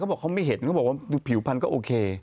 บอกเขาไม่เห็นเขาบอกว่าผิวพันธุก็โอเค